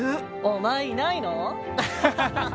お前いないの？